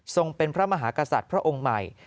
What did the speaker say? เป็นพระมหากษัตริย์พระองค์ใหม่